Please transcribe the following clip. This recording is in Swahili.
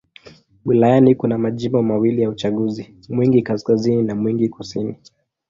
Wilayani kuna majimbo mawili ya uchaguzi: Mwingi Kaskazini na Mwingi Kusini.